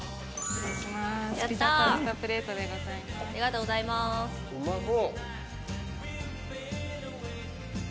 うまそう。